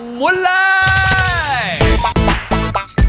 หมุนเลย